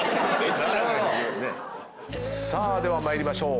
さあでは参りましょう。